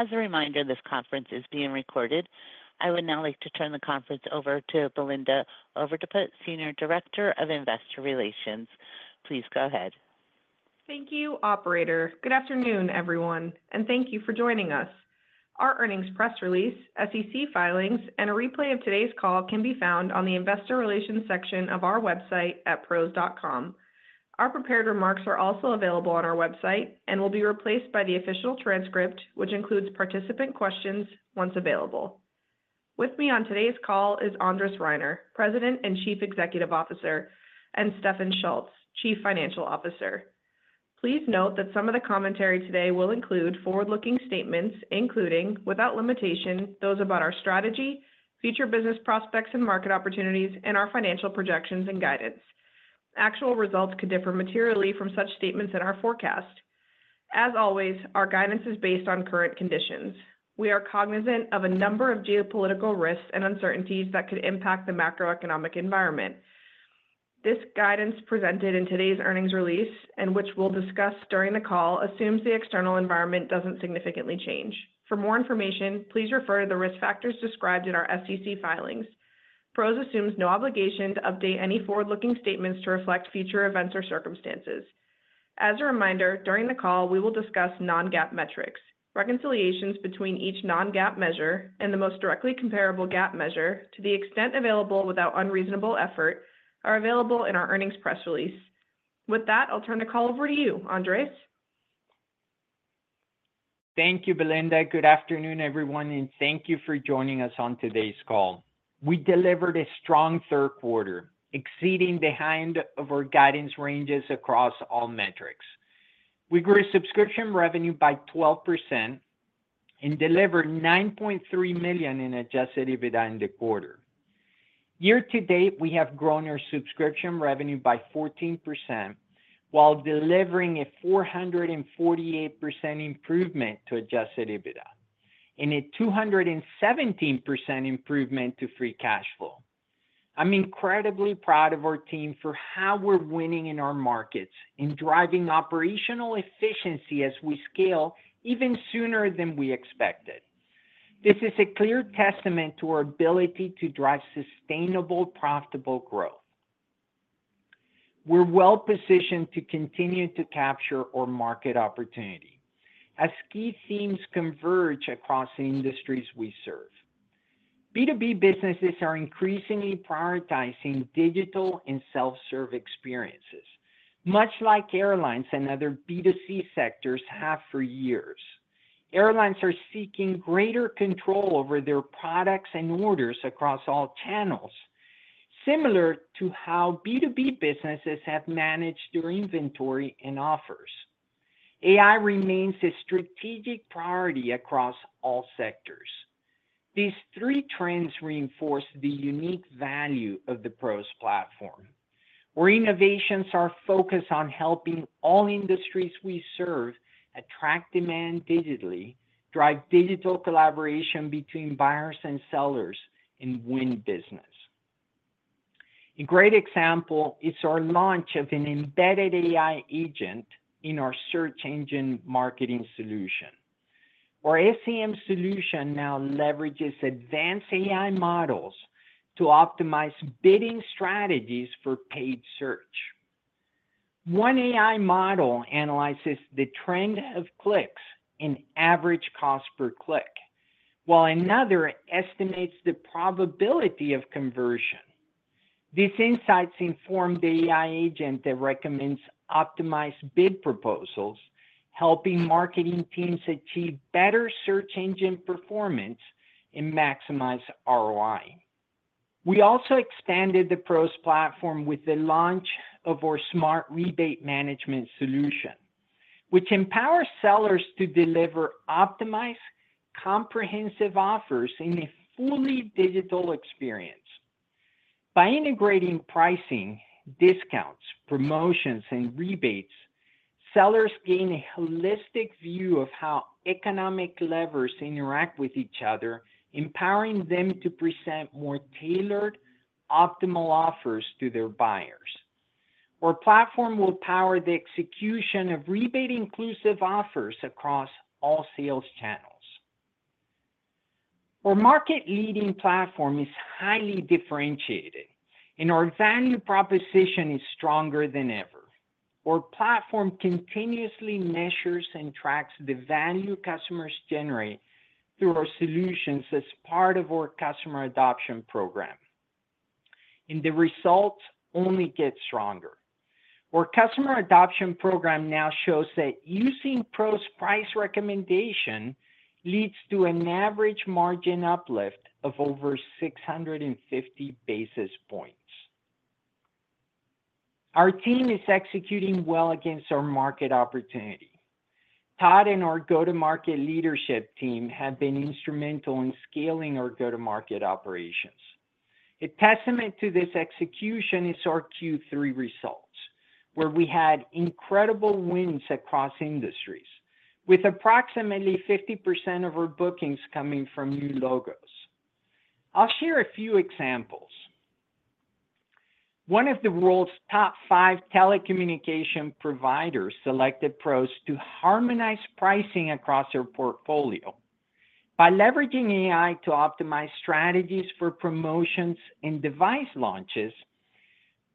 As a reminder, this conference is being recorded. I would now like to turn the conference over to Belinda Overdeput, Senior Director of Investor Relations. Please go ahead. Thank you, Operator. Good afternoon, everyone, and thank you for joining us. Our earnings press release, SEC filings, and a replay of today's call can be found on the Investor Relations section of our website at pros.com. Our prepared remarks are also available on our website and will be replaced by the official transcript, which includes participant questions once available. With me on today's call is Andres Reiner, President and Chief Executive Officer, and Stefan Schulz, Chief Financial Officer. Please note that some of the commentary today will include forward-looking statements, including, without limitation, those about our strategy, future business prospects and market opportunities, and our financial projections and guidance. Actual results could differ materially from such statements in our forecast. As always, our guidance is based on current conditions. We are cognizant of a number of geopolitical risks and uncertainties that could impact the macroeconomic environment. This guidance presented in today's earnings release, and which we'll discuss during the call, assumes the external environment doesn't significantly change. For more information, please refer to the risk factors described in our SEC filings. PROS assumes no obligation to update any forward-looking statements to reflect future events or circumstances. As a reminder, during the call, we will discuss non-GAAP metrics. Reconciliations between each non-GAAP measure and the most directly comparable GAAP measure to the extent available without unreasonable effort are available in our earnings press release. With that, I'll turn the call over to you, Andres. Thank you, Belinda. Good afternoon, everyone, and thank you for joining us on today's call. We delivered a strong third quarter, exceeding the high end of our guidance ranges across all metrics. We grew subscription revenue by 12% and delivered $9.3 million in adjusted EBITDA in the quarter. Year to date, we have grown our subscription revenue by 14% while delivering a 448% improvement to adjusted EBITDA and a 217% improvement to free cash flow. I'm incredibly proud of our team for how we're winning in our markets and driving operational efficiency as we scale even sooner than we expected. This is a clear testament to our ability to drive sustainable, profitable growth. We're well positioned to continue to capture our market opportunity as key themes converge across the industries we serve. B2B businesses are increasingly prioritizing digital and self-serve experiences, much like airlines and other B2C sectors have for years. Airlines are seeking greater control over their products and orders across all channels, similar to how B2B businesses have managed their inventory and offers. AI remains a strategic priority across all sectors. These three trends reinforce the unique value of the PROS Platform, where innovations are focused on helping all industries we serve, attract demand digitally, drive digital collaboration between buyers and sellers, and win business. A great example is our launch of an embedded AI agent in our search engine marketing solution. Our SEM solution now leverages advanced AI models to optimize bidding strategies for paid search. One AI model analyzes the trend of clicks and average cost per click, while another estimates the probability of conversion. These insights inform the AI agent that recommends optimized bid proposals, helping marketing teams achieve better search engine performance and maximize ROI. We also expanded the PROS platform with the launch of our Smart Rebate Management solution, which empowers sellers to deliver optimized, comprehensive offers in a fully digital experience. By integrating pricing, discounts, promotions, and rebates, sellers gain a holistic view of how economic levers interact with each other, empowering them to present more tailored, optimal offers to their buyers. Our platform will power the execution of rebate-inclusive offers across all sales channels. Our market-leading platform is highly differentiated, and our value proposition is stronger than ever. Our platform continuously measures and tracks the value customers generate through our solutions as part of our customer adoption program, and the results only get stronger. Our customer adoption program now shows that using PROS's price recommendation leads to an average margin uplift of over 650 basis points. Our team is executing well against our market opportunity. Todd and our go-to-market leadership team have been instrumental in scaling our go-to-market operations. A testament to this execution is our Q3 results, where we had incredible wins across industries, with approximately 50% of our bookings coming from new logos. I'll share a few examples. One of the world's top five telecommunication providers selected PROS to harmonize pricing across their portfolio. By leveraging AI to optimize strategies for promotions and device launches,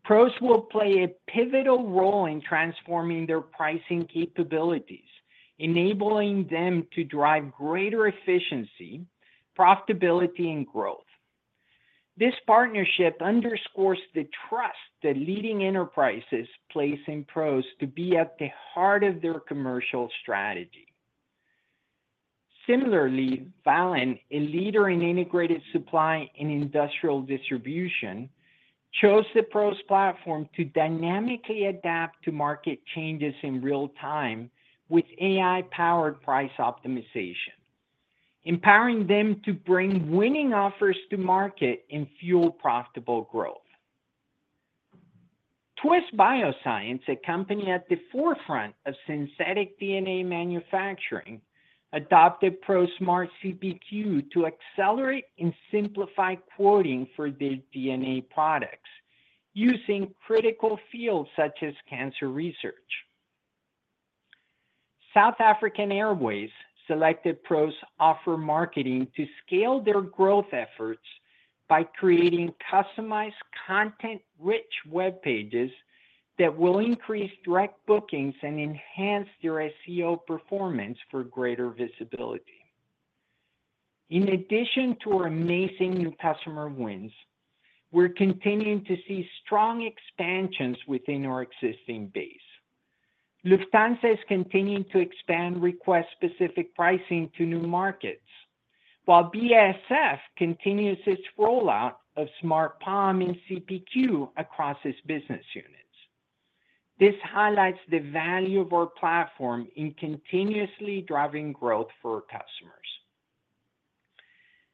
PROS will play a pivotal role in transforming their pricing capabilities, enabling them to drive greater efficiency, profitability, and growth. This partnership underscores the trust that leading enterprises place in PROS to be at the heart of their commercial strategy. Similarly, Valin, a leader in integrated supply and industrial distribution, chose the PROS platform to dynamically adapt to market changes in real time with AI-powered price optimization, empowering them to bring winning offers to market and fuel profitable growth. Twist Bioscience, a company at the forefront of synthetic DNA manufacturing, adopted PROS Smart CPQ to accelerate and simplify quoting for their DNA products using critical fields such as cancer research. South African Airways selected PROS Offer Marketing to scale their growth efforts by creating customized content-rich web pages that will increase direct bookings and enhance their SEO performance for greater visibility. In addition to our amazing new customer wins, we're continuing to see strong expansions within our existing base. Lufthansa is continuing to expand Request Specific Pricing to new markets, while BASF continues its rollout of Smart PO&M and CPQ across its business units. This highlights the value of our platform in continuously driving growth for our customers.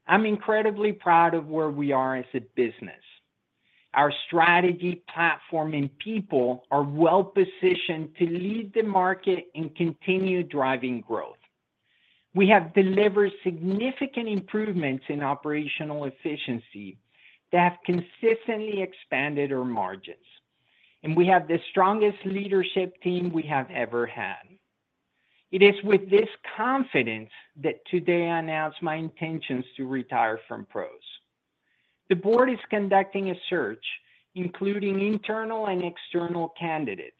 I'm incredibly proud of where we are as a business. Our strategy, platform, and people are well positioned to lead the market and continue driving growth. We have delivered significant improvements in operational efficiency that have consistently expanded our margins, and we have the strongest leadership team we have ever had. It is with this confidence that today I announce my intentions to retire from PROS. The board is conducting a search, including internal and external candidates,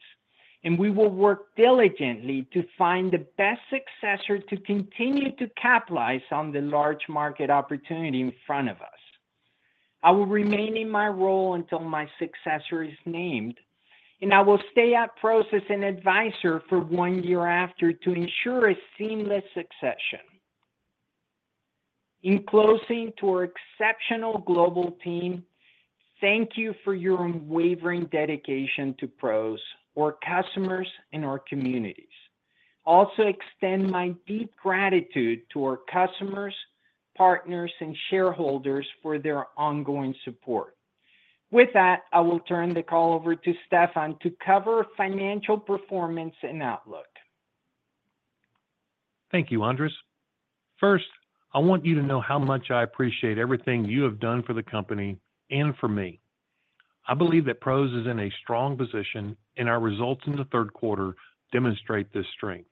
and we will work diligently to find the best successor to continue to capitalize on the large market opportunity in front of us. I will remain in my role until my successor is named, and I will stay at PROS as an advisor for one year after to ensure a seamless succession. In closing to our exceptional global team, thank you for your unwavering dedication to PROS, our customers, and our communities. I also extend my deep gratitude to our customers, partners, and shareholders for their ongoing support. With that, I will turn the call over to Stefan to cover financial performance and outlook. Thank you, Andres. First, I want you to know how much I appreciate everything you have done for the company and for me. I believe that PROS is in a strong position, and our results in the third quarter demonstrate this strength.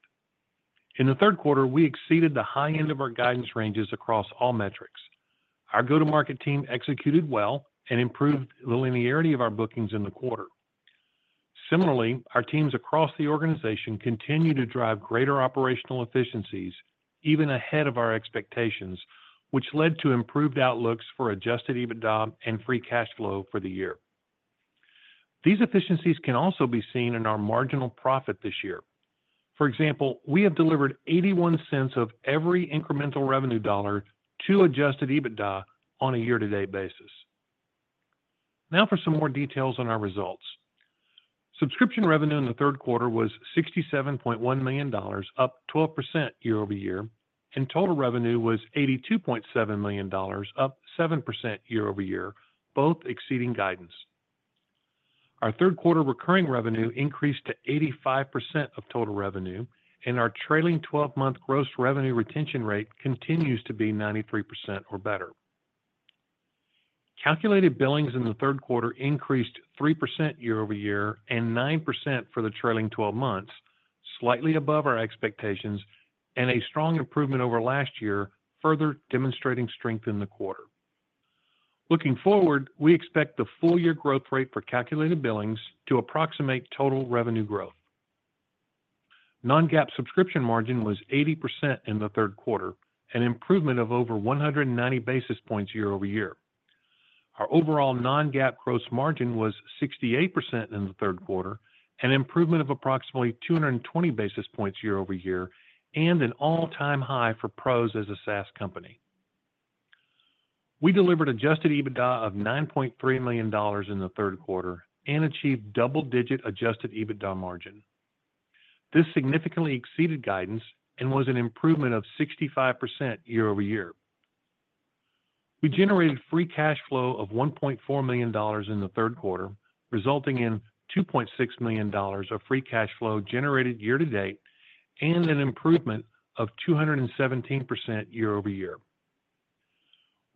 In the third quarter, we exceeded the high end of our guidance ranges across all metrics. Our go-to-market team executed well and improved the linearity of our bookings in the quarter. Similarly, our teams across the organization continue to drive greater operational efficiencies even ahead of our expectations, which led to improved outlooks for Adjusted EBITDA and Free Cash Flow for the year. These efficiencies can also be seen in our marginal profit this year. For example, we have delivered $0.81 of every incremental revenue dollar to Adjusted EBITDA on a year-to-date basis. Now for some more details on our results. Subscription revenue in the third quarter was $67.1 million, up 12% year-over-year, and total revenue was $82.7 million, up 7% year-over-year, both exceeding guidance. Our third quarter recurring revenue increased to 85% of total revenue, and our trailing 12-month gross revenue retention rate continues to be 93% or better. Calculated billings in the third quarter increased 3% year-over-year and 9% for the trailing 12 months, slightly above our expectations, and a strong improvement over last year, further demonstrating strength in the quarter. Looking forward, we expect the full-year growth rate for calculated billings to approximate total revenue growth. Non-GAAP subscription margin was 80% in the third quarter, an improvement of over 190 basis points year-over-year. Our overall non-GAAP gross margin was 68% in the third quarter, an improvement of approximately 220 basis points year-over-year, and an all-time high for PROS as a SaaS company. We delivered Adjusted EBITDA of $9.3 million in the third quarter and achieved double-digit Adjusted EBITDA margin. This significantly exceeded guidance and was an improvement of 65% year-over-year. We generated Free Cash Flow of $1.4 million in the third quarter, resulting in $2.6 million of Free Cash Flow generated year-to-date and an improvement of 217% year-over-year.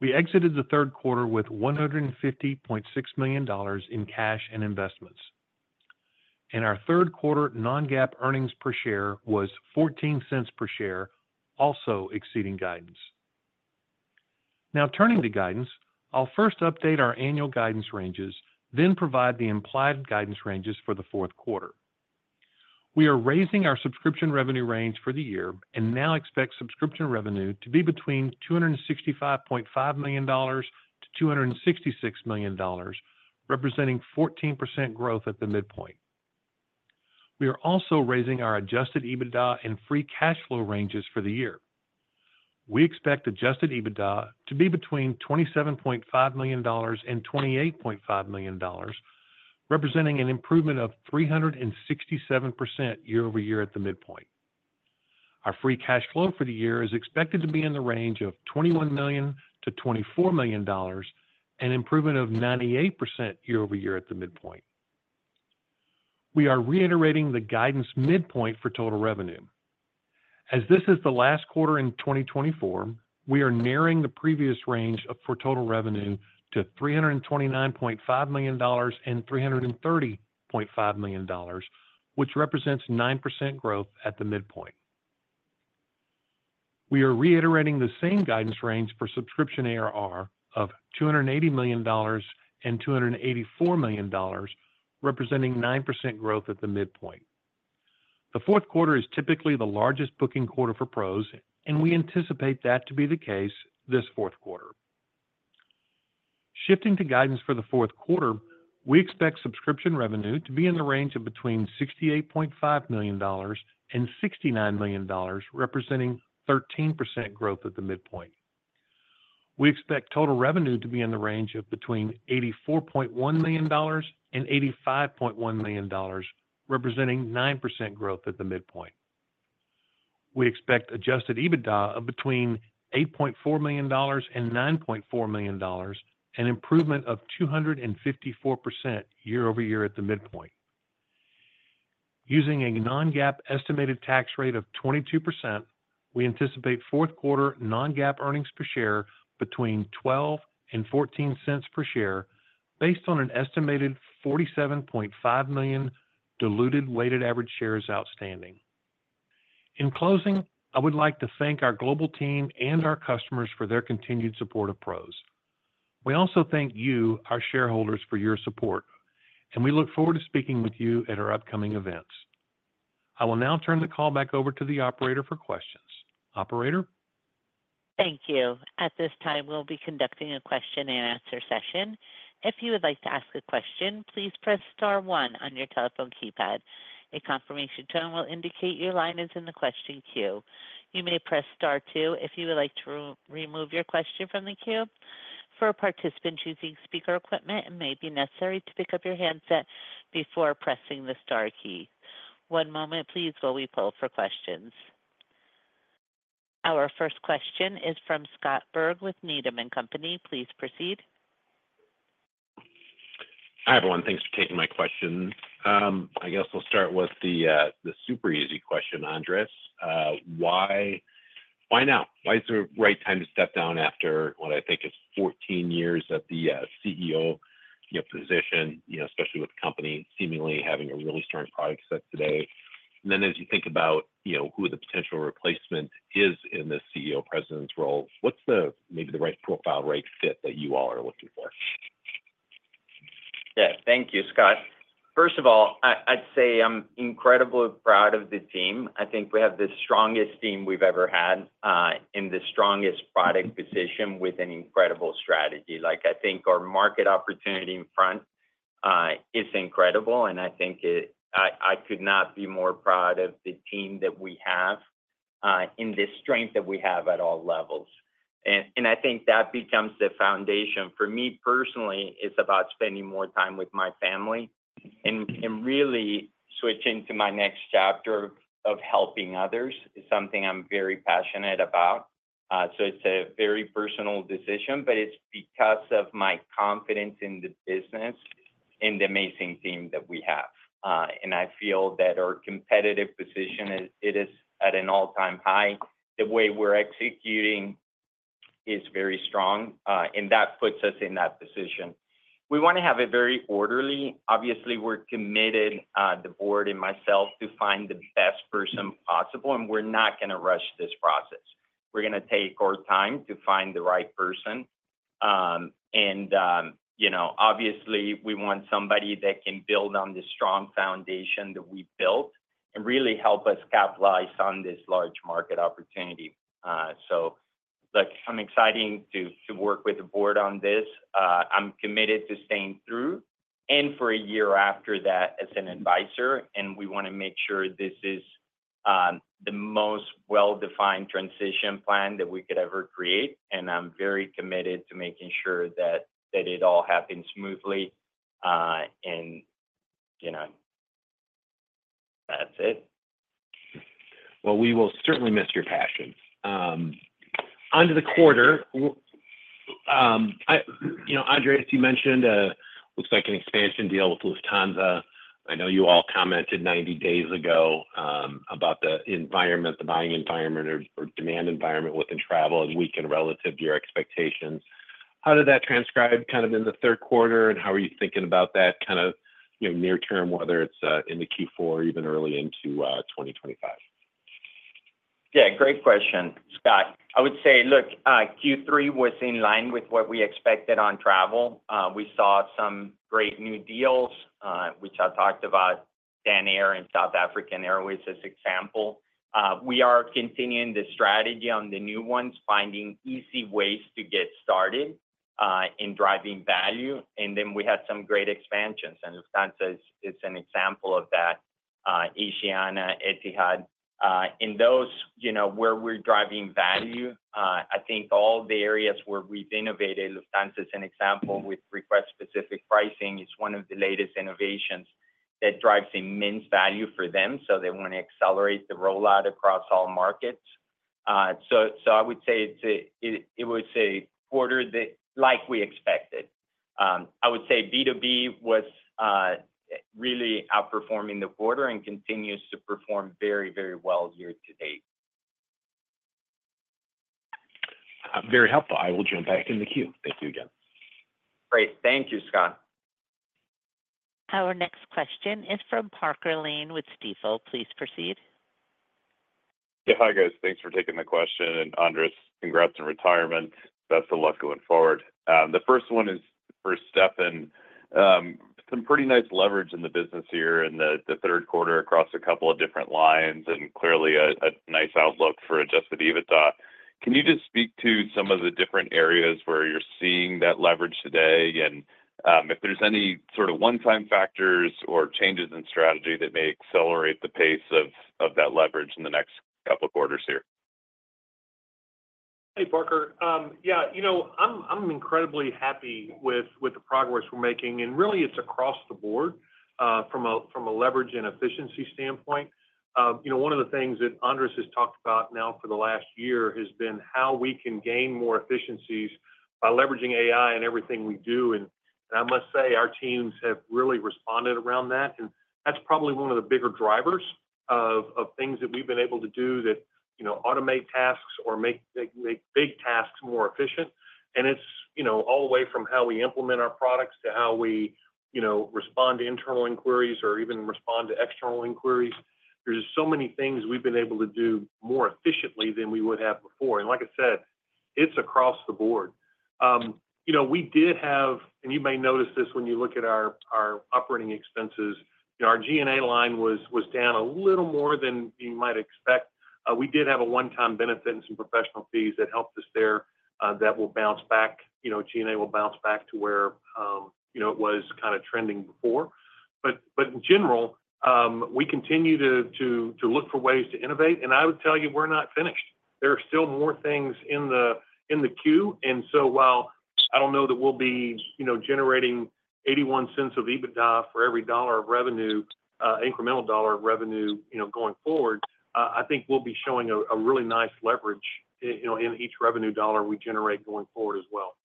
We exited the third quarter with $150.6 million in cash and investments, and our third-quarter Non-GAAP earnings per share was $0.14 per share, also exceeding guidance. Now turning to guidance, I'll first update our annual guidance ranges, then provide the implied guidance ranges for the fourth quarter. We are raising our subscription revenue range for the year and now expect subscription revenue to be between $265.5 million to $266 million, representing 14% growth at the midpoint. We are also raising our Adjusted EBITDA and Free Cash Flow ranges for the year. We expect adjusted EBITDA to be between $27.5 million and $28.5 million, representing an improvement of 367% year-over-year at the midpoint. Our free cash flow for the year is expected to be in the range of $21 million-$24 million, an improvement of 98% year-over-year at the midpoint. We are reiterating the guidance midpoint for total revenue. As this is the last quarter in 2024, we are narrowing the previous range for total revenue to $329.5 million and $330.5 million, which represents 9% growth at the midpoint. We are reiterating the same guidance range for subscription ARR of $280 million and $284 million, representing 9% growth at the midpoint. The fourth quarter is typically the largest booking quarter for PROS, and we anticipate that to be the case this fourth quarter. Shifting to guidance for the fourth quarter, we expect subscription revenue to be in the range of between $68.5 million and $69 million, representing 13% growth at the midpoint. We expect total revenue to be in the range of between $84.1 million and $85.1 million, representing 9% growth at the midpoint. We expect Adjusted EBITDA of between $8.4 million and $9.4 million, an improvement of 254% year-over-year at the midpoint. Using a non-GAAP estimated tax rate of 22%, we anticipate fourth-quarter non-GAAP earnings per share between $0.12 and $0.14 per share, based on an estimated 47.5 million diluted weighted average shares outstanding. In closing, I would like to thank our global team and our customers for their continued support of PROS. We also thank you, our shareholders, for your support, and we look forward to speaking with you at our upcoming events. I will now turn the call back over to the operator for questions. Operator? Thank you. At this time, we'll be conducting a question-and-answer session. If you would like to ask a question, please press star one on your telephone keypad. A confirmation tone will indicate your line is in the question queue. You may press star two if you would like to remove your question from the queue. For participants using speaker equipment, it may be necessary to pick up your handset before pressing the Star key. One moment, please, while we pull up for questions. Our first question is from Scott Berg with Needham & Company. Please proceed. Hi, everyone. Thanks for taking my question. I guess I'll start with the super easy question, Andres. Why now? Why is it the right time to step down after what I think is 14 years at the CEO position, especially with the company seemingly having a really strong product set today? And then as you think about who the potential replacement is in the CEO president role, what's maybe the right profile, right fit that you all are looking for? Yeah. Thank you, Scott. First of all, I'd say I'm incredibly proud of the team. I think we have the strongest team we've ever had in the strongest product position with an incredible strategy. I think our market opportunity in front is incredible, and I think I could not be more proud of the team that we have and the strength that we have at all levels, and I think that becomes the foundation. For me personally, it's about spending more time with my family, and really switching to my next chapter of helping others is something I'm very passionate about. So it's a very personal decision, but it's because of my confidence in the business and the amazing team that we have, and I feel that our competitive position, it is at an all-time high. The way we're executing is very strong, and that puts us in that position. We want to have it very orderly. Obviously, we're committed, the board and myself, to find the best person possible, and we're not going to rush this process. We're going to take our time to find the right person, and obviously, we want somebody that can build on the strong foundation that we built and really help us capitalize on this large market opportunity, so I'm excited to work with the board on this. I'm committed to staying through and for a year after that as an advisor, and we want to make sure this is the most well-defined transition plan that we could ever create, and I'm very committed to making sure that it all happens smoothly, and that's it. Well, we will certainly miss your passion. On to the quarter. Andres, you mentioned it looks like an expansion deal with Lufthansa. I know you all commented 90 days ago about the environment, the buying environment or demand environment within travel and leisure relative to your expectations. How did that transpire kind of in the third quarter, and how are you thinking about that kind of near term, whether it's in the Q4 or even early into 2025? Yeah. Great question, Scott. I would say, look, Q3 was in line with what we expected on travel. We saw some great new deals, which I talked about Dan Air and South African Airways as an example. We are continuing the strategy on the new ones, finding easy ways to get started in driving value. And then we had some great expansions, and Lufthansa is an example of that, Asiana, Etihad. In those where we're driving value, I think all the areas where we've innovated, Lufthansa is an example with Request Specific Pricing. It's one of the latest innovations that drives immense value for them, so they want to accelerate the rollout across all markets. So I would say it was a quarter that, like we expected. I would say B2B was really outperforming the quarter and continues to perform very, very well year-to-date. Very helpful. I will jump back in the queue. Thank you again. Great. Thank you, Scott. Our next question is from Parker Lane with Stifel. Please proceed. Yeah. Hi, guys. Thanks for taking the question. And Andres, congrats on retirement. Best of luck going forward. The first one is for Stefan. Some pretty nice leverage in the business here in the third quarter across a couple of different lines and clearly a nice outlook for adjusted EBITDA. Can you just speak to some of the different areas where you're seeing that leverage today and if there's any sort of one-time factors or changes in strategy that may accelerate the pace of that leverage in the next couple of quarters here? Hey, Parker. Yeah. I'm incredibly happy with the progress we're making, and really, it's across the board from a leverage and efficiency standpoint. One of the things that Andres has talked about now for the last year has been how we can gain more efficiencies by leveraging AI in everything we do, and I must say our teams have really responded around that, and that's probably one of the bigger drivers of things that we've been able to do that automate tasks or make big tasks more efficient, and it's all the way from how we implement our products to how we respond to internal inquiries or even respond to external inquiries. There's so many things we've been able to do more efficiently than we would have before, and like I said, it's across the board. We did have, and you may notice this when you look at our operating expenses, our G&A line was down a little more than you might expect. We did have a one-time benefit and some professional fees that helped us there that will bounce back. G&A will bounce back to where it was kind of trending before. But in general, we continue to look for ways to innovate. And I would tell you, we're not finished. There are still more things in the queue. And so while I don't know that we'll be generating $0.81 of EBITDA for every $1 of revenue, incremental $1 of revenue going forward, I think we'll be showing a really nice leverage in each revenue dollar we generate going forward as well.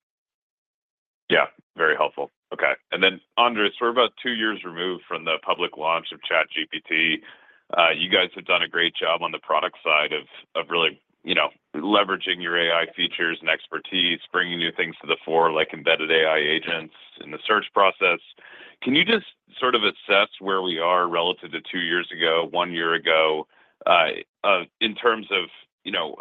Yeah. Very helpful. Okay. And then, Andres, we're about two years removed from the public launch of ChatGPT. You guys have done a great job on the product side of really leveraging your AI features and expertise, bringing new things to the fore like embedded AI agents in the search process. Can you just sort of assess where we are relative to two years ago, one year ago in terms of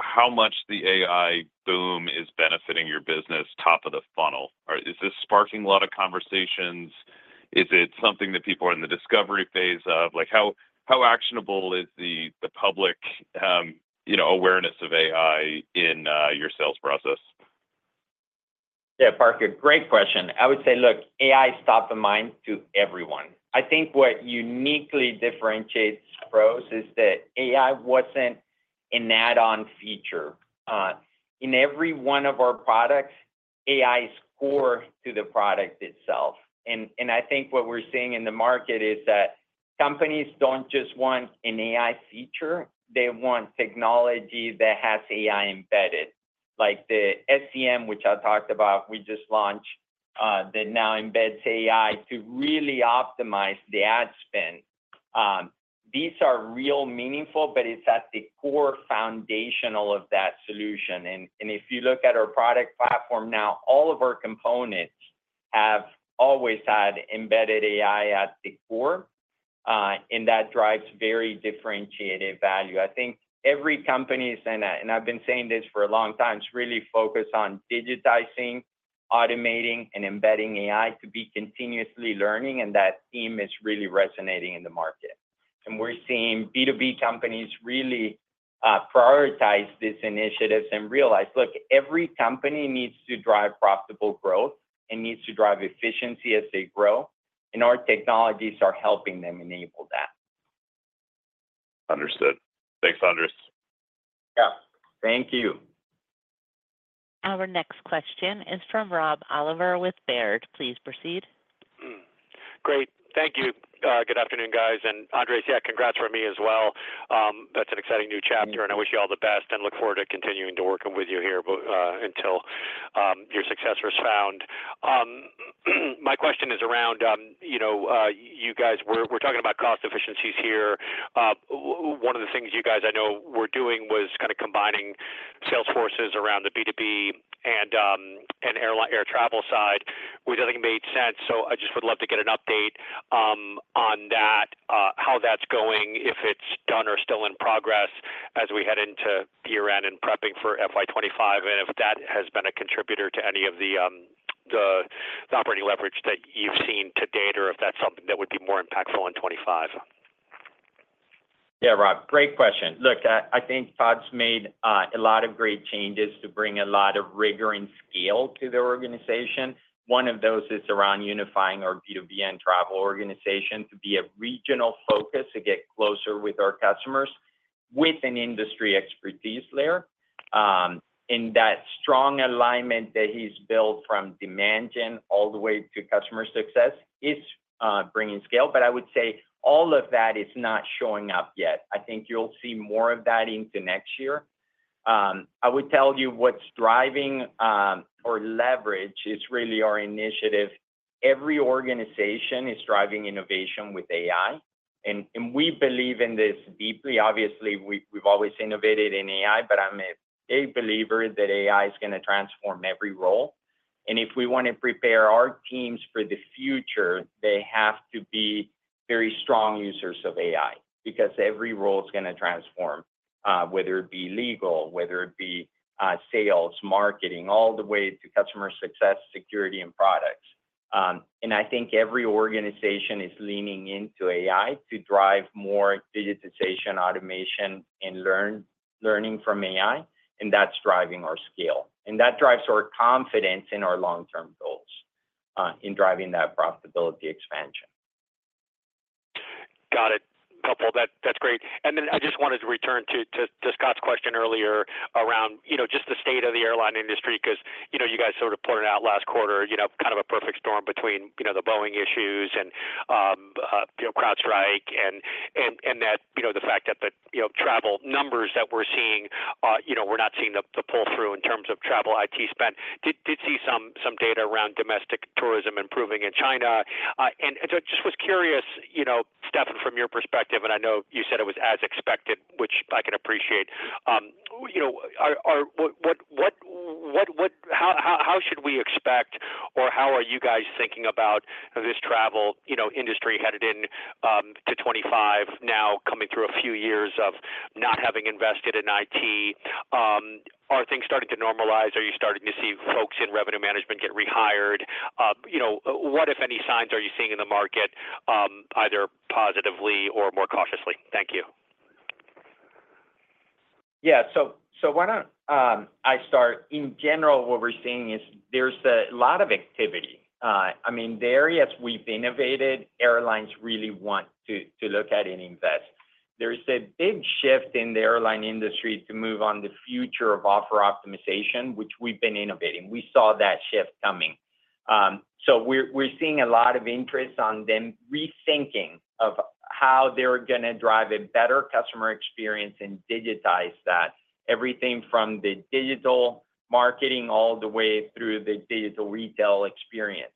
how much the AI boom is benefiting your business top of the funnel? Is this sparking a lot of conversations? Is it something that people are in the discovery phase of? How actionable is the public awareness of AI in your sales process? Yeah, Parker, great question. I would say, look, AI is top of mind to everyone. I think what uniquely differentiates PROS is that AI wasn't an add-on feature. In every one of our products, AI is core to the product itself. And I think what we're seeing in the market is that companies don't just want an AI feature. They want technology that has AI embedded. Like the SEM, which I talked about, we just launched that now embeds AI to really optimize the ad spend. These are real meaningful, but it's at the core foundational of that solution. And if you look at our product platform now, all of our components have always had embedded AI at the core, and that drives very differentiated value. I think every company is, and I've been saying this for a long time, it's really focused on digitizing, automating, and embedding AI to be continuously learning, and that theme is really resonating in the market. And we're seeing B2B companies really prioritize these initiatives and realize, look, every company needs to drive profitable growth and needs to drive efficiency as they grow. And our technologies are helping them enable that. Understood. Thanks, Andres. Yeah. Thank you. Our next question is from Rob Oliver with Baird. Please proceed. Great. Thank you. Good afternoon, guys. And Andres, yeah, congrats from me as well. That's an exciting new chapter, and I wish you all the best and look forward to continuing to work with you here until your successor is found. My question is around you guys were talking about cost efficiencies here. One of the things you guys I know were doing was kind of combining sales forces around the B2B and air travel side, which I think made sense. So I just would love to get an update on that, how that's going, if it's done or still in progress as we head into year-end and prepping for FY25, and if that has been a contributor to any of the operating leverage that you've seen to date, or if that's something that would be more impactful in '25. Yeah, Rob. Great question. Look, I think Todd's made a lot of great changes to bring a lot of rigor and scale to the organization. One of those is around unifying our B2B and travel organization to be a regional focus to get closer with our customers with an industry expertise layer. And that strong alignment that he's built from demand gen all the way to customer success is bringing scale. But I would say all of that is not showing up yet. I think you'll see more of that into next year. I would tell you what's driving our leverage is really our initiative. Every organization is driving innovation with AI. And we believe in this deeply. Obviously, we've always innovated in AI, but I'm a big believer that AI is going to transform every role. And if we want to prepare our teams for the future, they have to be very strong users of AI because every role is going to transform, whether it be legal, whether it be sales, marketing, all the way to customer success, security, and products. And I think every organization is leaning into AI to drive more digitization, automation, and learning from AI, and that's driving our scale. And that drives our confidence in our long-term goals in driving that profitability expansion. Got it. That's great. And then I just wanted to return to Scott's question earlier around just the state of the airline industry because you guys sort of put it out last quarter, kind of a perfect storm between the Boeing issues and CrowdStrike and the fact that the travel numbers that we're seeing, we're not seeing the pull-through in terms of travel IT spend. Did see some data around domestic tourism improving in China. And I just was curious, Stefan, from your perspective, and I know you said it was as expected, which I can appreciate. How should we expect or how are you guys thinking about this travel industry headed into 2025 now, coming through a few years of not having invested in IT? Are things starting to normalize? Are you starting to see folks in revenue management get rehired? What, if any, signs are you seeing in the market, either positively or more cautiously? Thank you. Yeah. So why don't I start? In general, what we're seeing is there's a lot of activity. I mean, the areas we've innovated, airlines really want to look at and invest. There's a big shift in the airline industry to move on the future of offer optimization, which we've been innovating. We saw that shift coming. So we're seeing a lot of interest on them rethinking of how they're going to drive a better customer experience and digitize that, everything from the digital marketing all the way through the digital retail experience.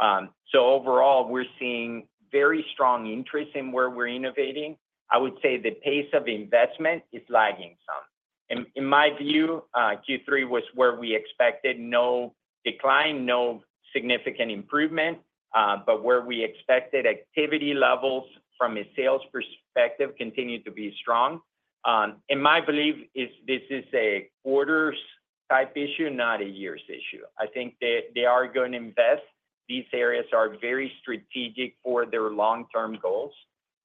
So overall, we're seeing very strong interest in where we're innovating. I would say the pace of investment is lagging some. In my view, Q3 was where we expected no decline, no significant improvement, but where we expected activity levels from a sales perspective continue to be strong. And my belief is this is a quarter's type issue, not a year's issue. I think they are going to invest. These areas are very strategic for their long-term goals,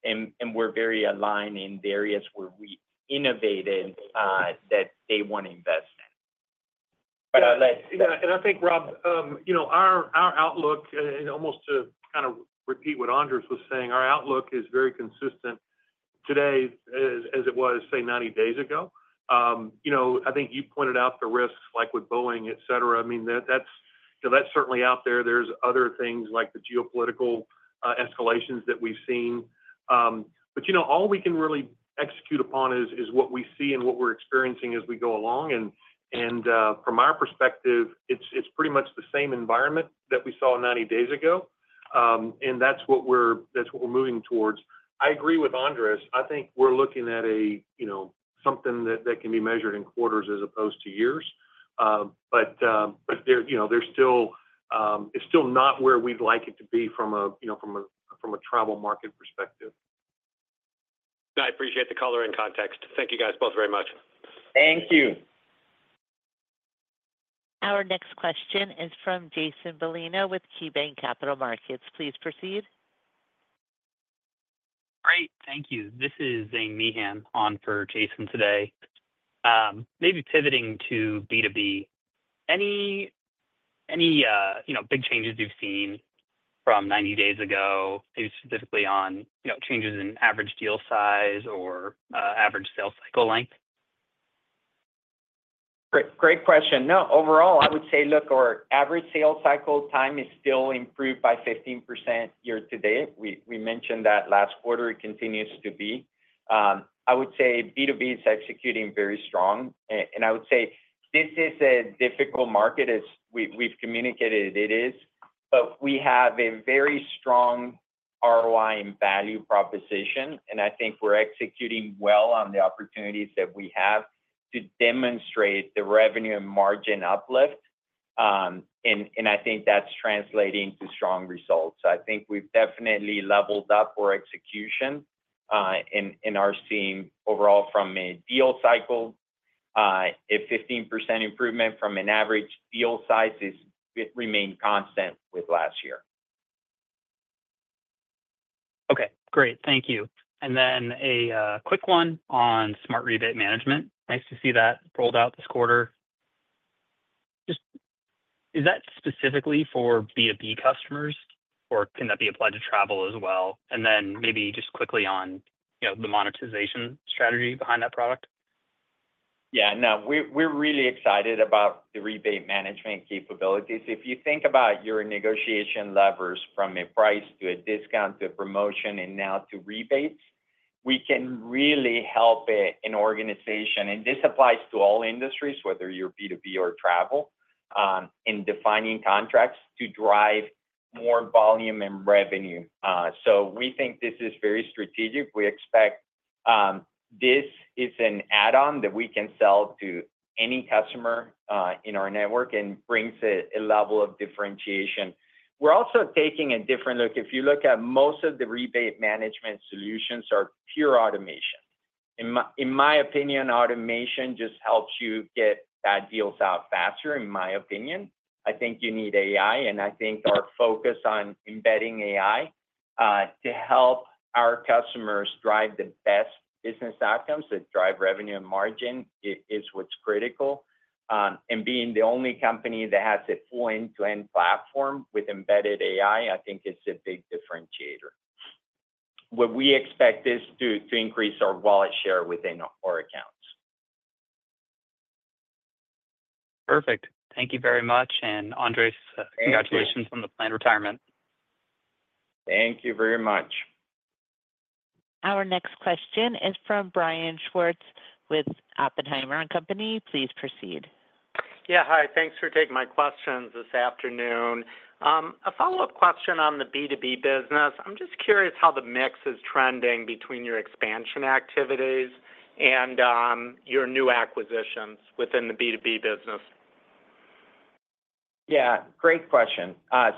and we're very aligned in the areas where we innovated that they want to invest in. And I think, Rob, our outlook, and almost to kind of repeat what Andres was saying, our outlook is very consistent today as it was, say, 90 days ago. I think you pointed out the risks like with Boeing, etc. I mean, that's certainly out there. There's other things like the geopolitical escalations that we've seen. But all we can really execute upon is what we see and what we're experiencing as we go along. And from our perspective, it's pretty much the same environment that we saw 90 days ago, and that's what we're moving towards. I agree with Andres. I think we're looking at something that can be measured in quarters as opposed to years, but it's still not where we'd like it to be from a travel market perspective. I appreciate the color and context. Thank you guys both very much. Thank you. Our next question is from Jason Celino with KeyBanc Capital Markets. Please proceed. Great. Thank you. This is Zane Nihan, on for Jason today. Maybe pivoting to B2B. Any big changes you've seen from 90 days ago, maybe specifically on changes in average deal size or average sales cycle length? Great question. No, overall, I would say, look, our average sales cycle time is still improved by 15% year to date. We mentioned that last quarter continues to be. I would say B2B is executing very strong. And I would say this is a difficult market, as we've communicated it is, but we have a very strong ROI and value proposition, and I think we're executing well on the opportunities that we have to demonstrate the revenue and margin uplift. And I think that's translating to strong results. I think we've definitely leveled up our execution in our SEM overall from a deal cycle. A 15% improvement from an average deal size has remained constant with last year. Okay. Great. Thank you, and then a quick one on Smart Rebate Management. Nice to see that rolled out this quarter. Is that specifically for B2B customers, or can that be applied to travel as well, and then maybe just quickly on the monetization strategy behind that product? Yeah. No, we're really excited about the rebate management capabilities. If you think about your negotiation levers from a price to a discount to a promotion and now to rebates, we can really help an organization, and this applies to all industries, whether you're B2B or travel, in defining contracts to drive more volume and revenue. So we think this is very strategic. We expect this is an add-on that we can sell to any customer in our network and brings a level of differentiation. We're also taking a different look. If you look at most of the rebate management solutions, they are pure automation. In my opinion, automation just helps you get bad deals out faster, in my opinion. I think you need AI, and I think our focus on embedding AI to help our customers drive the best business outcomes that drive revenue and margin is what's critical. Being the only company that has a full end-to-end platform with embedded AI, I think is a big differentiator. What we expect is to increase our wallet share within our accounts. Perfect. Thank you very much. And Andres, congratulations on the planned retirement. Thank you very much. Our next question is from Brian Schwartz with Oppenheimer & Company. Please proceed. Yeah. Hi. Thanks for taking my questions this afternoon. A follow-up question on the B2B business. I'm just curious how the mix is trending between your expansion activities and your new acquisitions within the B2B business. Yeah. Great question.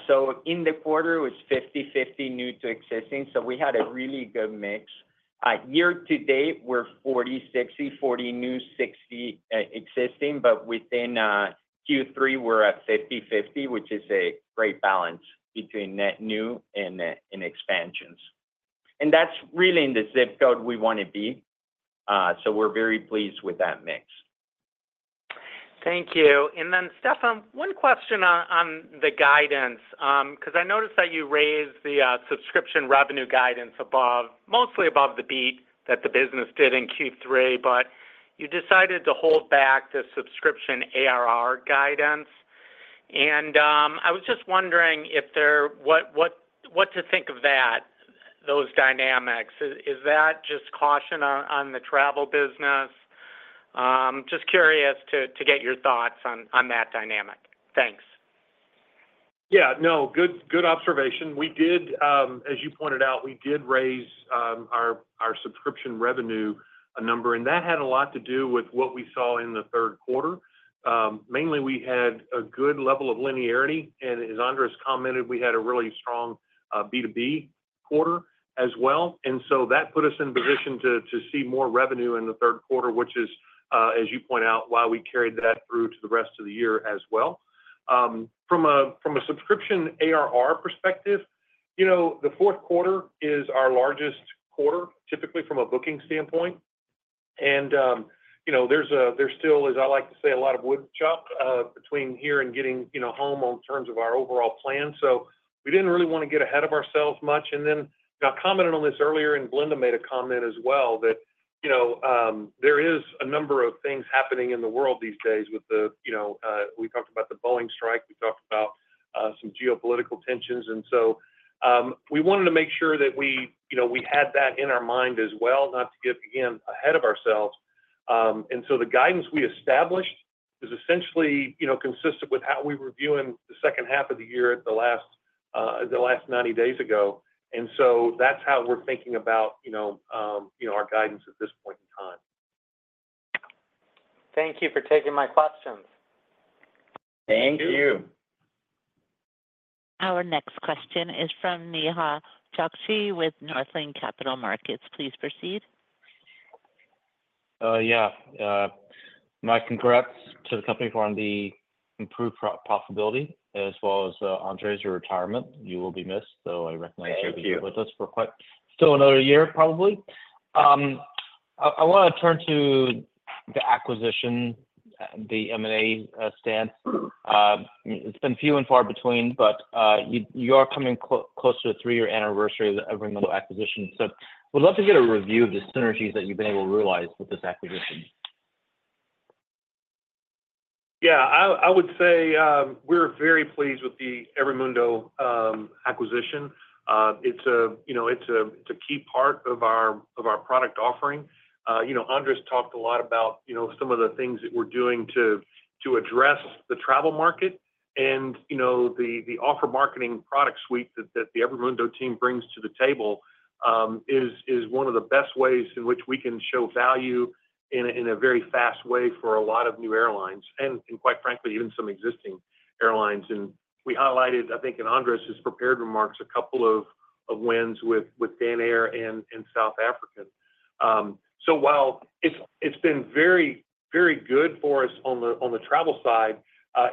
So in the quarter, it was 50/50 new to existing. So we had a really good mix. Year to date, we're 40/60, 40 new, 60 existing. But within Q3, we're at 50/50, which is a great balance between net new and expansions. And that's really in the zip code we want to be. So we're very pleased with that mix. Thank you. And then, Stefan, one question on the guidance because I noticed that you raised the subscription revenue guidance mostly above the beat that the business did in Q3, but you decided to hold back the subscription ARR guidance. And I was just wondering what to think of those dynamics. Is that just caution on the travel business? Just curious to get your thoughts on that dynamic. Thanks. Yeah. No, good observation. As you pointed out, we did raise our subscription revenue a number, and that had a lot to do with what we saw in the third quarter. Mainly, we had a good level of linearity. And as Andres commented, we had a really strong B2B quarter as well. And so that put us in a position to see more revenue in the third quarter, which is, as you point out, why we carried that through to the rest of the year as well. From a subscription ARR perspective, the fourth quarter is our largest quarter, typically from a booking standpoint. And there's still, as I like to say, a lot of wood to chop between here and getting home in terms of our overall plan. So we didn't really want to get ahead of ourselves much. And then I commented on this earlier, and Belinda made a comment as well, that there is a number of things happening in the world these days with the. We talked about the Boeing strike. We talked about some geopolitical tensions. And so we wanted to make sure that we had that in our mind as well, not to get, again, ahead of ourselves. And so the guidance we established is essentially consistent with how we were viewing the second half of the year the last 90 days ago. And so that's how we're thinking about our guidance at this point in time. Thank you for taking my questions. Thank you. Our next question is from Nehal Chokshi with Northland Capital Markets. Please proceed. Yeah. My congrats to the company for the improved profitability, as well as Andres' retirement. You will be missed, so I recommend you be with us for quite still another year, probably. I want to turn to the acquisition, the M&A stance. It's been few and far between, but you are coming closer to the three-year anniversary of the EveryMundo acquisition. So would love to get a review of the synergies that you've been able to realize with this acquisition. Yeah. I would say we're very pleased with the EveryMundo acquisition. It's a key part of our product offering. Andres talked a lot about some of the things that we're doing to address the travel market. And the Offer Marketing product suite that the EveryMundo team brings to the table is one of the best ways in which we can show value in a very fast way for a lot of new airlines and, quite frankly, even some existing airlines. And we highlighted, I think, in Andres' prepared remarks, a couple of wins with Dan Air and South African. So while it's been very, very good for us on the travel side,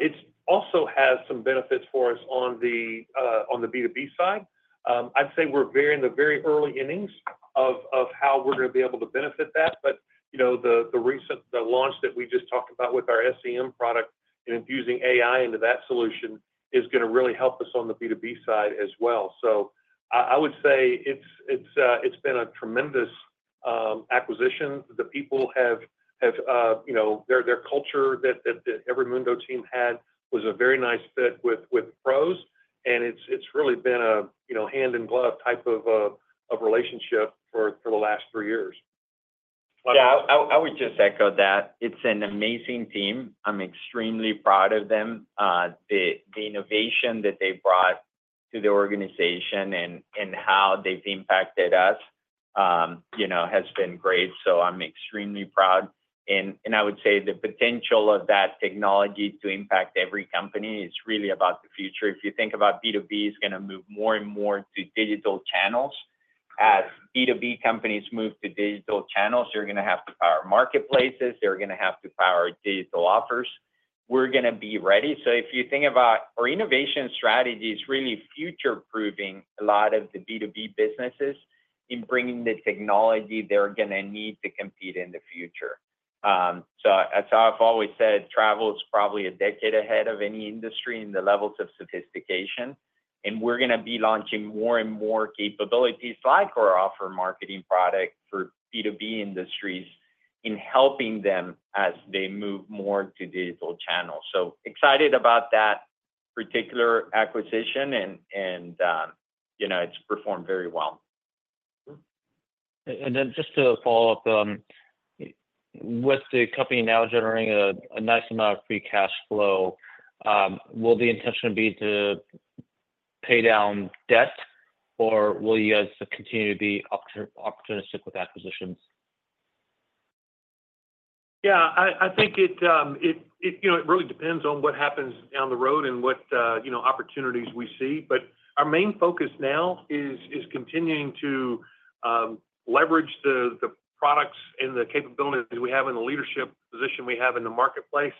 it also has some benefits for us on the B2B side. I'd say we're in the very early innings of how we're going to be able to benefit that. The launch that we just talked about with our SEM product and infusing AI into that solution is going to really help us on the B2B side as well. I would say it's been a tremendous acquisition. The people have their culture that the EveryMundo team had was a very nice fit with PROS. It's really been a hand-in-glove type of relationship for the last three years. Yeah. I would just echo that. It's an amazing team. I'm extremely proud of them. The innovation that they brought to the organization and how they've impacted us has been great. So I'm extremely proud. And I would say the potential of that technology to impact every company is really about the future. If you think about B2B, it's going to move more and more to digital channels. As B2B companies move to digital channels, they're going to have to power marketplaces. They're going to have to power digital offers. We're going to be ready. So if you think about our innovation strategy is really future-proofing a lot of the B2B businesses in bringing the technology they're going to need to compete in the future. So as I've always said, travel is probably a decade ahead of any industry in the levels of sophistication. And we're going to be launching more and more capabilities like our Offer Marketing product for B2B industries in helping them as they move more to digital channels. So excited about that particular acquisition, and it's performed very well. Then just to follow up, with the company now generating a nice amount of free cash flow, will the intention be to pay down debt, or will you guys continue to be optimistic with acquisitions? Yeah. I think it really depends on what happens down the road and what opportunities we see. But our main focus now is continuing to leverage the products and the capabilities we have in the leadership position we have in the marketplace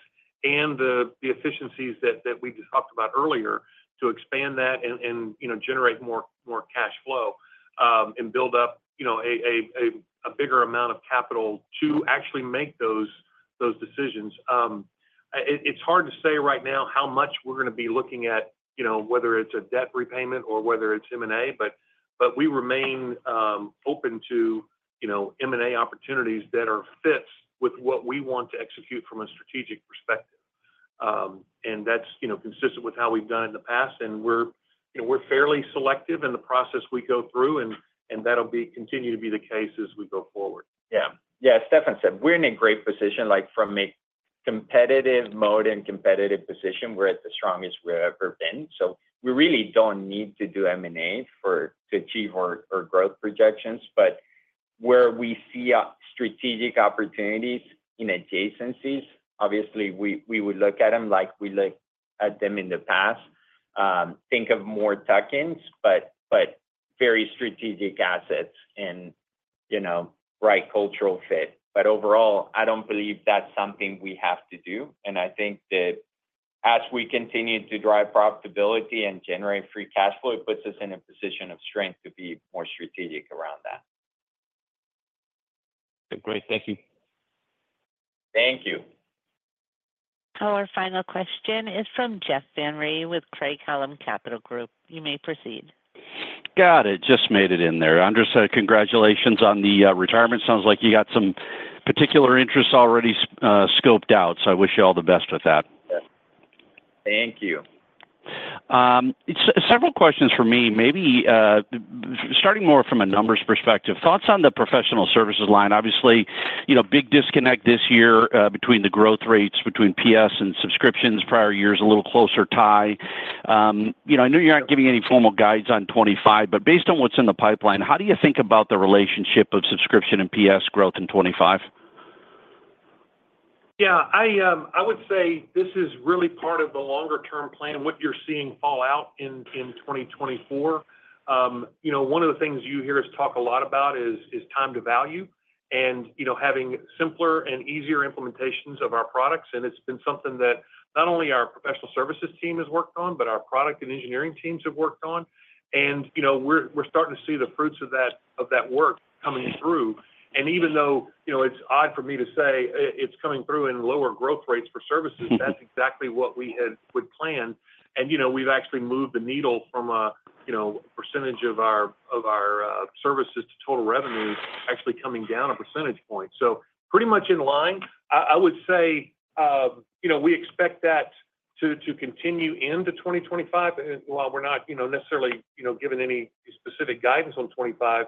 and the efficiencies that we just talked about earlier to expand that and generate more cash flow and build up a bigger amount of capital to actually make those decisions. It's hard to say right now how much we're going to be looking at, whether it's a debt repayment or whether it's M&A, but we remain open to M&A opportunities that are fits with what we want to execute from a strategic perspective. And that's consistent with how we've done it in the past. And we're fairly selective in the process we go through, and that'll continue to be the case as we go forward. Yeah. Yeah. Stefan said, we're in a great position. From a competitive mode and competitive position, we're at the strongest we've ever been. So we really don't need to do M&A to achieve our growth projections. But where we see strategic opportunities in adjacencies, obviously, we would look at them like we looked at them in the past. Think of more tuck-ins, but very strategic assets and right cultural fit. But overall, I don't believe that's something we have to do. And I think that as we continue to drive profitability and generate free cash flow, it puts us in a position of strength to be more strategic around that. Great. Thank you. Thank you. Our final question is from Jeff Van Rhee with Craig-Hallum Capital Group. You may proceed. Got it. Just made it in there. Andres, congratulations on the retirement. Sounds like you got some particular interests already scoped out. So I wish you all the best with that. Thank you. Several questions for me. Maybe starting more from a numbers perspective, thoughts on the professional services line. Obviously, big disconnect this year between the growth rates between PS and subscriptions prior years, a little closer tie. I know you're not giving any formal guides on 2025, but based on what's in the pipeline, how do you think about the relationship of subscription and PS growth in 2025? Yeah. I would say this is really part of the longer-term plan, what you're seeing fall out in 2024. One of the things you hear us talk a lot about is time to value and having simpler and easier implementations of our products. And it's been something that not only our professional services team has worked on, but our product and engineering teams have worked on. And we're starting to see the fruits of that work coming through. And even though it's odd for me to say it's coming through in lower growth rates for services, that's exactly what we had planned. And we've actually moved the needle from a percentage of our services to total revenue actually coming down a percentage point. So pretty much in line. I would say we expect that to continue into 2025. Well, we're not necessarily given any specific guidance on 2025.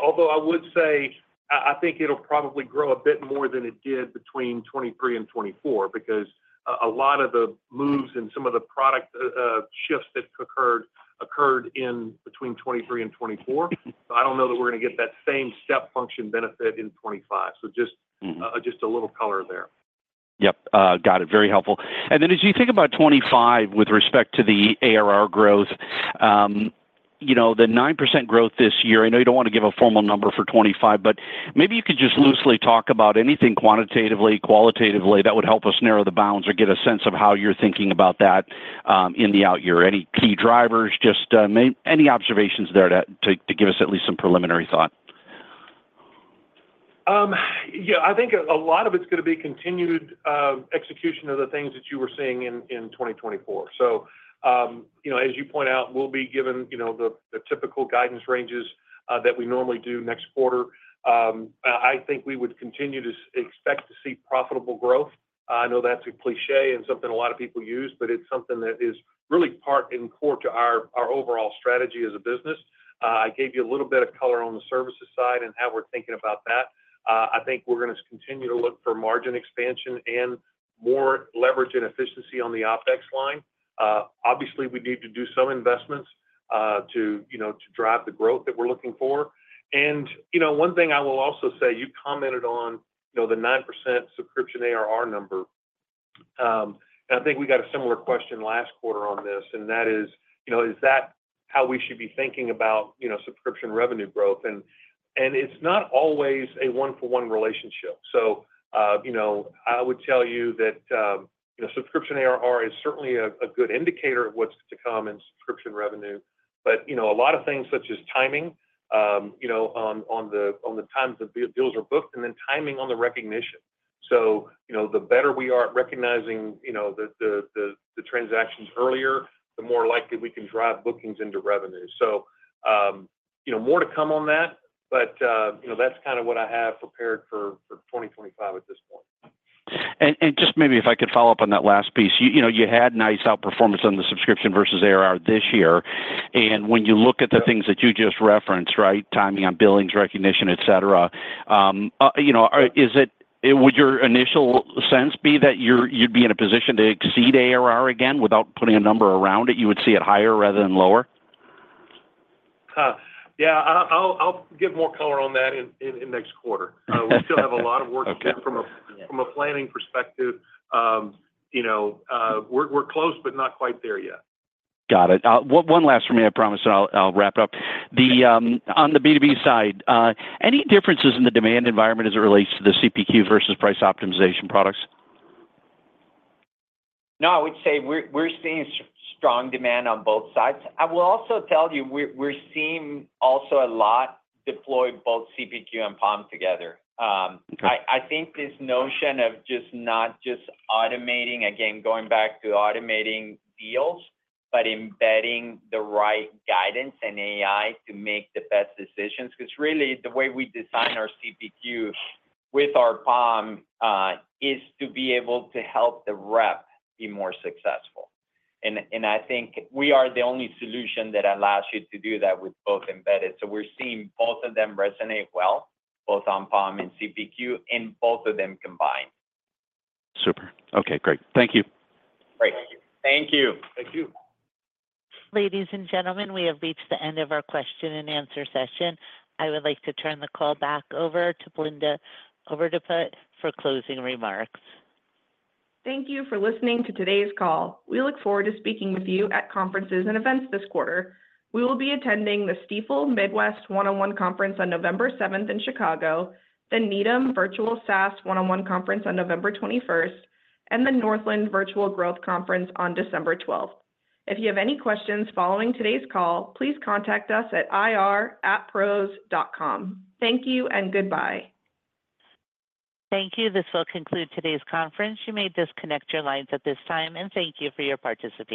Although I would say I think it'll probably grow a bit more than it did between 2023 and 2024 because a lot of the moves and some of the product shifts that occurred in between 2023 and 2024. So I don't know that we're going to get that same step function benefit in 2025. So just a little color there. Yep. Got it. Very helpful. And then as you think about 2025 with respect to the ARR growth, the 9% growth this year, I know you don't want to give a formal number for 2025, but maybe you could just loosely talk about anything quantitatively, qualitatively that would help us narrow the bounds or get a sense of how you're thinking about that in the out year. Any key drivers? Just any observations there to give us at least some preliminary thought? Yeah. I think a lot of it's going to be continued execution of the things that you were seeing in 2024. So as you point out, we'll be given the typical guidance ranges that we normally do next quarter. I think we would continue to expect to see profitable growth. I know that's a cliché and something a lot of people use, but it's something that is really part and core to our overall strategy as a business. I gave you a little bit of color on the services side and how we're thinking about that. I think we're going to continue to look for margin expansion and more leverage and efficiency on the OpEx line. Obviously, we need to do some investments to drive the growth that we're looking for. And one thing I will also say, you commented on the 9% subscription ARR number. I think we got a similar question last quarter on this. That is, is that how we should be thinking about subscription revenue growth? It's not always a one-for-one relationship. I would tell you that subscription ARR is certainly a good indicator of what's to come in subscription revenue. A lot of things such as timing on the times that deals are booked and then timing on the recognition. The better we are at recognizing the transactions earlier, the more likely we can drive bookings into revenue. More to come on that, but that's kind of what I have prepared for 2025 at this point. Just maybe if I could follow up on that last piece. You had nice outperformance on the subscription versus ARR this year. And when you look at the things that you just referenced, right, timing on billings, recognition, etc., would your initial sense be that you'd be in a position to exceed ARR again without putting a number around it? You would see it higher rather than lower? Yeah. I'll give more color on that in next quarter. We still have a lot of work to do from a planning perspective. We're close, but not quite there yet. Got it. One last for me, I promise, and I'll wrap it up. On the B2B side, any differences in the demand environment as it relates to the CPQ versus price optimization products? No, I would say we're seeing strong demand on both sides. I will also tell you we're seeing also a lot deploy both CPQ and PO&M together. I think this notion of just not just automating, again, going back to automating deals, but embedding the right guidance and AI to make the best decisions. Because really, the way we design our CPQ with our PO&M is to be able to help the rep be more successful. And I think we are the only solution that allows you to do that with both embedded. So we're seeing both of them resonate well, both on PO&M and CPQ, and both of them combined. Super. Okay. Great. Thank you. Great. Thank you. Thank you. Thank you. Ladies and gentlemen, we have reached the end of our question and answer session. I would like to turn the call back over to Belinda Overdeput for closing remarks. Thank you for listening to today's call. We look forward to speaking with you at conferences and events this quarter. We will be attending the Stifel Midwest One-on-One Conference on November 7th in Chicago, the Needham Virtual SaaS One-on-One Conference on November 21st, and the Northland Virtual Growth Conference on December 12th. If you have any questions following today's call, please contact us at ir@pros.com. Thank you and goodbye. Thank you. This will conclude today's conference. You may disconnect your lines at this time, and thank you for your participation.